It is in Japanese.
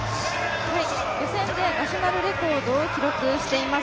予選でナショナルレコードをマークしています。